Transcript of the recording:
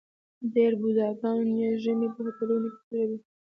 ډېر بوډاګان یې ژمی په هوټلونو کې تېروي.